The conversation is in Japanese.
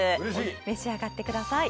召し上がってください。